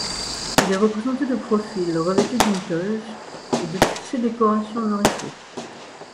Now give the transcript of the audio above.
Il est représenté de profil, revêtu d'une toge et de toutes ses décorations honorifiques.